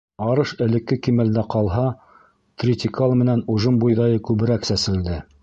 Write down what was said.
Арыш элекке кимәлдә ҡалһа, тритикал менән ужым бойҙайы күберәк сәселде.